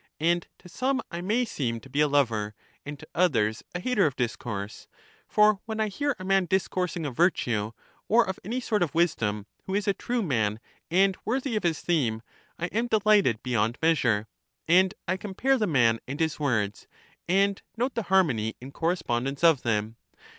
And to some I may seem to be a lover, and to others a hater of discourse ; for when I hear a man discoursing of virtue, or of any sort of wisdom, who is a true man and worthy of his theme, I am delighted beyond measure: and I compare the man and his words, and note the har mony and correspondence of them.